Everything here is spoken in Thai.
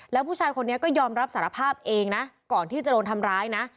แล้วผู้ชายคนนี้ก็ยอมรับสารภาพเองนะก่อนที่จะโดนทำร้ายนะ